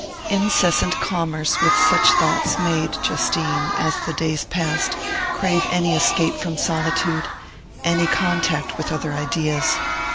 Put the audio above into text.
Incessant commerce with such thoughts made Justine, as the days passed, crave any escape from solitude, any contact with other ideas.